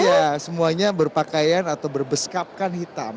iya semuanya berpakaian atau berbeskap kan hitam